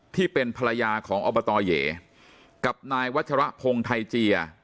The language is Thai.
ที่เป็นภรรยาของอบตเหยกับนายวัชรพงศ์ไทยเจีย